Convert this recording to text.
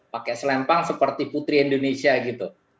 pakai selempang seperti putri indonesia gitu